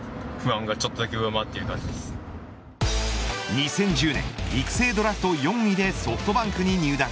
２０１０年育成ドラフト４位でソフトバンクに入団。